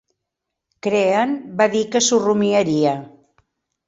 Crean va dir que s'ho rumiaria.